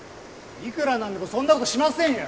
いくらなんでもそんな事しませんよ！